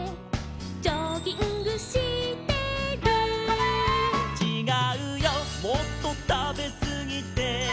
「ジョギングしてる」「ちがうよもっとたべすぎて」